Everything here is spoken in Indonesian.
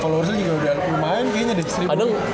followersnya juga udah lumayan kayaknya udah seribuan